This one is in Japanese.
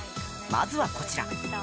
まずは、こちら。